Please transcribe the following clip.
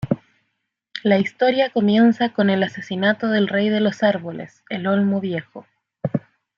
La historia comienza con el asesinato del rey de los árboles, el Olmo Viejo.